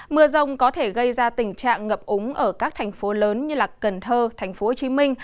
mưa rông có thể gây ra tình trạng ngập úng ở các thành phố lớn như cần thơ tp hcm